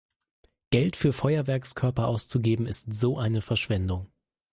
Geld für Feuerwerkskörper auszugeben ist so eine Verschwendung!